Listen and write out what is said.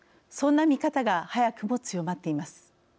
そんな見方が早くも強まっています。